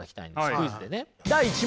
クイズでね。